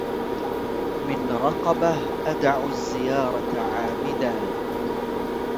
من رقبة أدع الزيارة عامدا